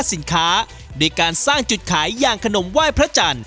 เพิ่มมูลค่าสินค้าด้วยการสร้างจุดขายย่างขนมไหว้พระจันทร์